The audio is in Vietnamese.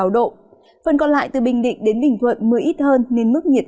hai mươi sáu độ phần còn lại từ bình định đến bình thuận mưa ít hơn nên mức nhiệt